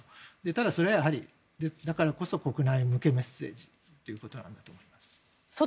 ただ、それはやはりだからこそ国内向けメッセージということなんだと思います。